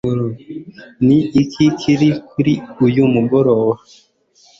ni iki kiri kuri uyu mugoroba